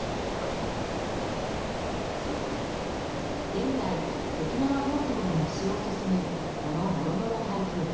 現在、沖縄本島の西を進むこのノロノロ台風。